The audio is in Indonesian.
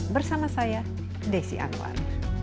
bersama saya desi anwar